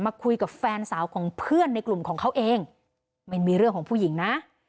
คุยกับแฟนสาวของเพื่อนในกลุ่มของเขาเองไม่มีเรื่องของผู้หญิงนะ